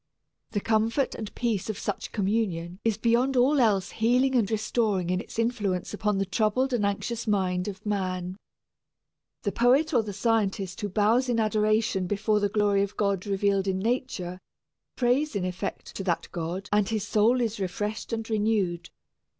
The comfort and peace of such communion is beyond all else healing and restoring in its influence upon the troubled and anxious mind of man. The poet or the scientist who bows in adoration before the glory of God revealed in nature, prays in effect to that God and his soul is refreshed and renewed.